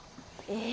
え